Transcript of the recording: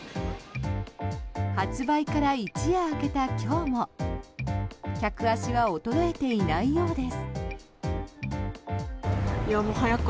発売から一夜明けた今日も客足は衰えていないようです。